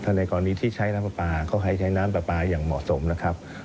ในกรณีที่ใช้น้ำปลาปลาเขาให้ใช้น้ำปลาปลาอย่างเหมาะสมนะครับ